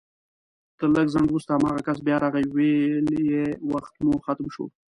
تر لږ ځنډ وروسته هماغه کس بيا راغی ويل يې وخت مو ختم شو